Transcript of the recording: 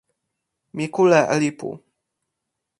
mi kule e lipu.